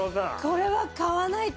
これは買わないと。